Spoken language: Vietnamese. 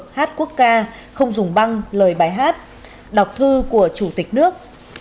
hát quốc ca không dùng băng lời bài hát đọc thư của chủ tịch nước